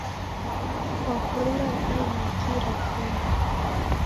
Kwapoilwa ni aina ki ra chumbo?